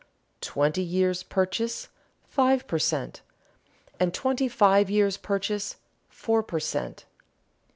twenty years' purchase, five per cent., and twenty five years' purchase, four per cent.